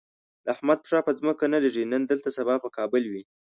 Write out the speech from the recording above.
د احمد پښه په ځمکه نه لږي، نن دلته سبا په کابل وي.